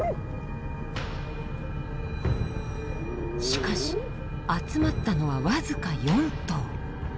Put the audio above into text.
しかし集まったのはわずか４頭。